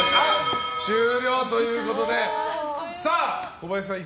小林さん。